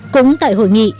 cũng tại hội nghị